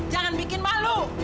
jangan bikin malu